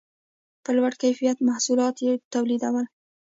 په لوړ کیفیت محصولات یې تولیدول.